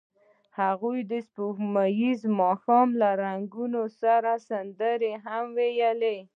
هغوی د سپوږمیز ماښام له رنګونو سره سندرې هم ویلې.